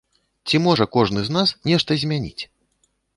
Ці можа кожны з нас нешта змяніць?